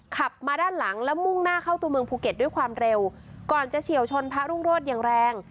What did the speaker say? ขับมาด้านหลังแล้วมุ่งหน้าเข้าตัวเมืองภูเก็ตด้วยความเร็วก่อนจะเฉียวชนพระรุ่งโรธอย่างแรง